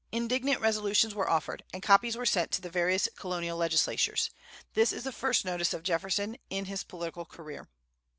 Indignant Resolutions were offered, and copies were sent to the various Colonial legislatures. This is the first notice of Jefferson in his political career.